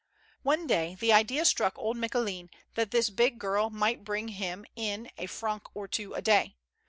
One day the idea struck old Micoulin that this big girl might bring him in a franc or two a day.